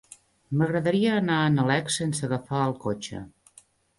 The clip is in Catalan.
M'agradaria anar a Nalec sense agafar el cotxe.